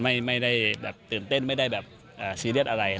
ไม่ได้แบบตื่นเต้นไม่ได้แบบซีเรียสอะไร